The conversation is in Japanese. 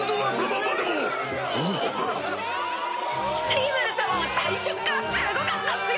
リムル様は最初っからすごかったっすよ！